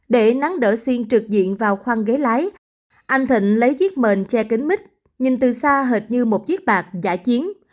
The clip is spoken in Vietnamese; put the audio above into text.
để nắng đỡ xên trực diện vào khoang ghế lái anh thịnh lấy chiếc mền che kính mít nhìn từ xa hệt như một chiếc bạc giả chiến